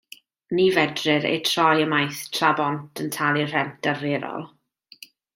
Ni fedrir eu troi ymaith tra bônt yn talu'r rhent arferol.